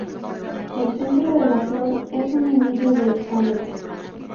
El centro de la flor es un anillo de estambres.